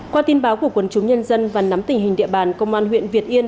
qua tin báo của quân chúng nhân dân và nắm tình hình địa bàn công an huyện việt yên